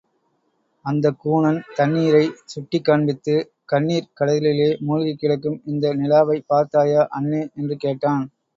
அந்தக் கூனன் தண்ணீரைச் சுட்டிக் காண்பித்து, கண்ணிர்க் கடலிலே மூழ்கிக்கிடக்கும் இந்த நிலாவைப் பார்த்தாயா அண்ணே! என்று கேட்டான்.